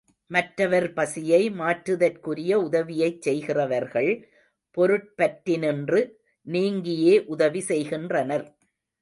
மற்றவர் பசியை மாற்றுதற்குரிய உதவியைச் செய்கிறவர்கள் பொருட்பற்றினின்று நீங்கியே உதவி செய்கின்றனர்.